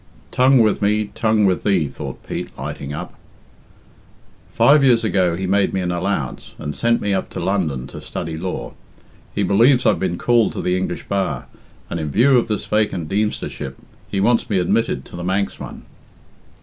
"Tongue with me, tongue with thee," thought Pete, lighting up. "Five years ago he made me an allowance, and sent me up to London to study law. He believes I've been called to the English bar, and, in view of this vacant Deemstership, he wants me admitted to the Manx one."